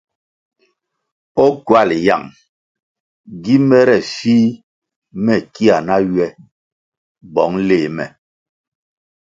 O ckywal yang gi mere fih me kia na ywe bong léh me?